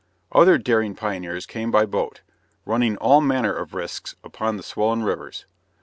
Other daring pioneers came by boat, running all manner of risks upon the swollen rivers.